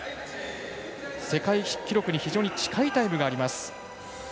世界記録に非常に近いタイムがあります。